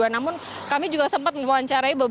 namun kami juga sempat mewawancarai